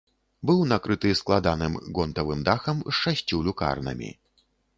Быў накрыты складаным гонтавым дахам з шасцю люкарнамі.